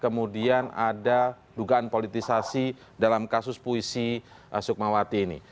kemudian ada dugaan politisasi dalam kasus puisi sukmawati ini